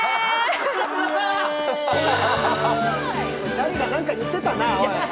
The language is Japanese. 誰か何か言ってたな、おい。